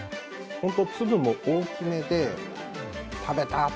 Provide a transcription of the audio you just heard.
本当に粒も大きめで食べた！